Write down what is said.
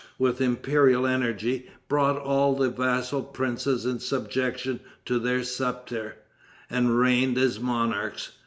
with imperial energy, brought all the vassal princes in subjection to their scepter, and reigned as monarchs.